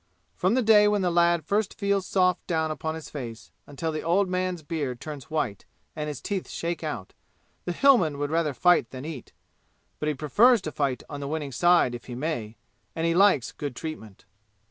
From the day when the lad first feels soft down upon his face until the old man's beard turns white and his teeth shake out, the Hillman would rather fight than eat; but he prefers to fight on the winning side if he may, and he likes good treatment.